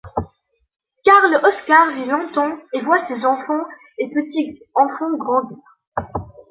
Karl Oskar vit longtemps et voit ses enfants et petits-enfants grandir.